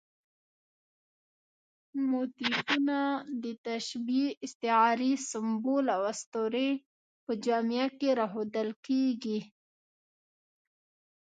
موتیفونه د تشبیه، استعارې، سمبول او اسطورې په جامه کې راښودل کېږي.